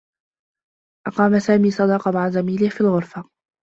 أقام سامي صداقة مع زميله في الغرفة.